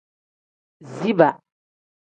Ziba.